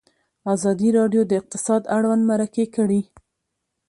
ازادي راډیو د اقتصاد اړوند مرکې کړي.